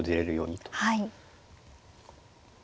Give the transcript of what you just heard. はい。